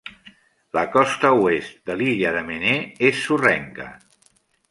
La costa oest de l'illa de Menai és sorrenca.